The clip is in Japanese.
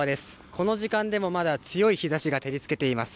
この時間でもまだ強い日ざしが照りつけています。